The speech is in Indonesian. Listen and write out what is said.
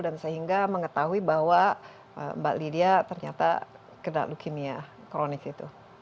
dan sehingga mengetahui bahwa mbak lydia ternyata kena leukemia kronik itu